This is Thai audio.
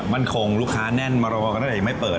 มั่นคงลูกค้าแน่นมารอกันตั้งแต่ยังไม่เปิด